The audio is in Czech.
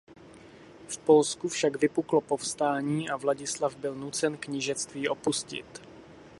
V Polsku však vypuklo povstání a Vladislav byl nucen knížectví opustit.